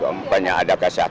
umpannya ada kesehatan